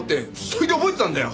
それで覚えてたんだよ。